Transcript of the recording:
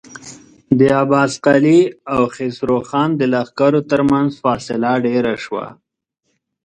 د عباس قلي او خسرو خان د لښکرو تر مينځ فاصله ډېره شوه.